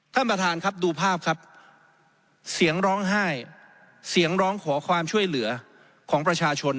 ท่านประธานครับดูภาพครับเสียงร้องไห้เสียงร้องขอความช่วยเหลือของประชาชน